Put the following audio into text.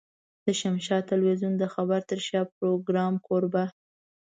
د شمشاد ټلوېزيون د خبر تر شا پروګرام کوربه.